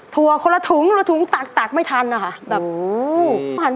ถั่วคนละถุงตักไม่ทันอะค่ะ